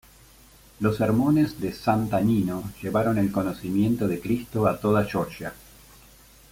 Los sermones de Santa Nino llevaron el conocimiento de Cristo a toda Georgia.